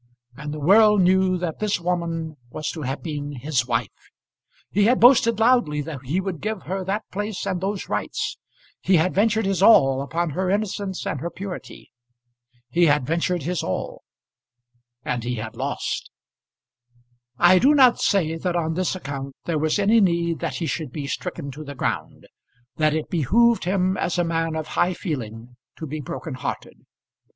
And the world knew that this woman was to have been his wife! He had boasted loudly that he would give her that place and those rights. He had ventured his all upon her innocence and her purity. He had ventured his all, and he had lost. I do not say that on this account there was any need that he should be stricken to the ground, that it behoved him as a man of high feeling to be broken hearted.